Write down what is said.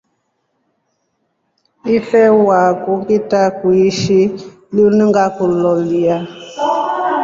Ifele waku ntakuishhi lunu ngakuloria.